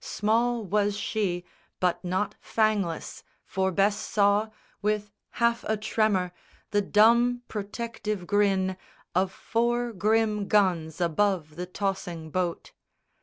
Small was she, but not fangless; for Bess saw, With half a tremor, the dumb protective grin Of four grim guns above the tossing boat.